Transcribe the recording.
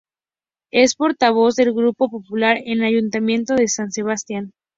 Es portavoz del Grupo Popular en el Ayuntamiento de San Sebastián.